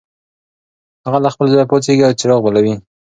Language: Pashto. هغه له خپل ځایه پاڅېږي او څراغ بلوي.